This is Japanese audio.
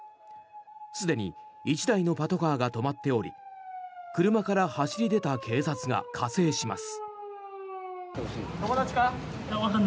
すでに１台のパトカーが止まっており車から走り出た警察が加勢します。